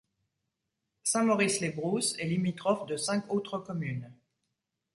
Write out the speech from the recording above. Saint-Maurice-les-Brousses est limitrophe de cinq autres communes.